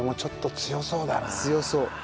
強そう。